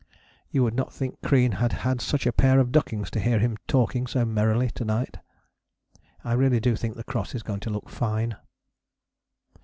"You would not think Crean had had such a pair of duckings to hear him talking so merrily to night...." "I really do think the cross is going to look fine."